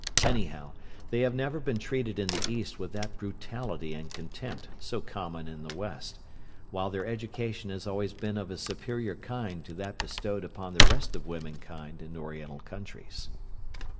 Anyhow, they have never been treated in the East with that brutality and contempt so common in the West, while their education has always been of a superior kind to that bestowed upon the rest of womankind in Oriental countries.